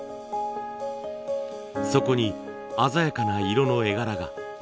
そこに鮮やかな色の絵柄が。